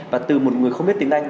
và từ một người không biết tiếng anh